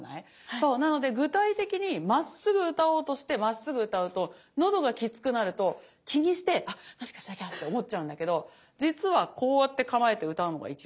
そうなので具体的にまっすぐ歌おうとしてまっすぐ歌うと喉がきつくなると気にして何かしなきゃって思っちゃうんだけど実はこうやって構えて歌うのが一番いいみたい。